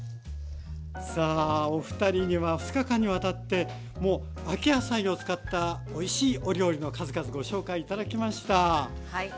さあお二人には２日間にわたってもう秋野菜を使ったおいしいお料理の数々ご紹介頂きましたはい。